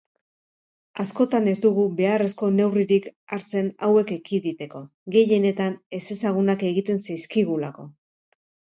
Askotan ez dugu beharrezko neurririk hartzen hauek ekiditeko, gehienetan ezezagunak egiten zaizkigulako.